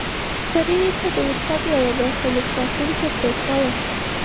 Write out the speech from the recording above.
کرنې ته د ورتګ یوه برخلیک ټاکونکې پروسه وه.